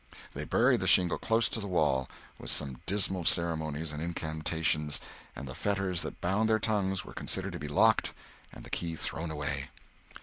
They buried the shingle close to the wall, with some dismal ceremonies and incantations, and the fetters that bound their tongues were considered to be locked and the key thrown away.